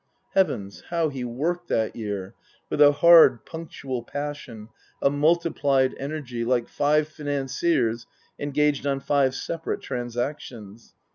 Heavens, how he worked that year ! With a hard, punctual passion, a multiplied energy, like five financiers engaged on five separate transactions.